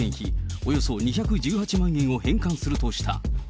およそ２１８万円を返還するとした。